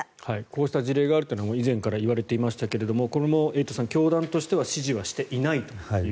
こうした事例があるのは以前からいわれていましたがこれもエイトさん教団としては指示していないと。